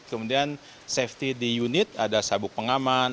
kemudian safety di unit ada sabuk pengaman